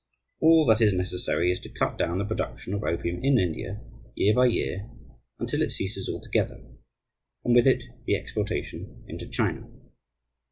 All that is necessary is to cut down the production of opium in India, year by year, until it ceases altogether, and with it the exportation into China.